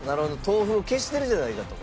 豆腐を消してるじゃないかと？